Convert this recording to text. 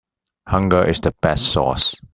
Hunger is the best sauce.